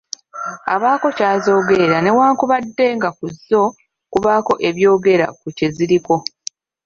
Abaako ky’azoogerera newankubadde nga ku zo kubaako ebyogera ku kyeziriko.